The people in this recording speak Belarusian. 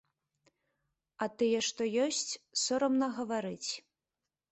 А тыя, што ёсць, сорамна гаварыць.